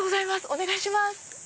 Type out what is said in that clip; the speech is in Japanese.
お願いします。